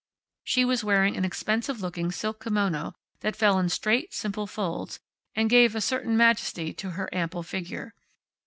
She was wearing an expensive looking silk kimono that fell in straight, simple folds, and gave a certain majesty to her ample figure.